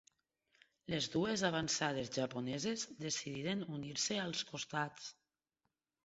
Les dues avançades japoneses decidiren unir-se als costats.